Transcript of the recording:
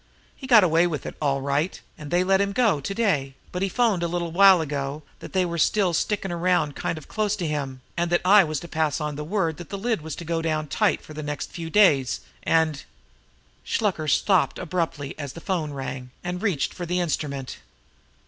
He got away with it, all right, and they let go him to day; but he phoned a little while ago that they were still stickin' around kind of close to him, and that I was to pass the word that the lid was to go down tight for the next few days, and " Shluker stopped abruptly as the telephone rang, and reached for the instrument.